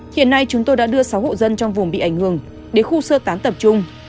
hiện nay chúng tôi đã đưa sáu hộ dân trong vùng bị ảnh hưởng đến khu sơ tán tập trung